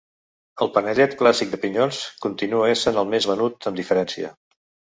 El panellet clàssic de pinyons continua essent el més venut amb diferència.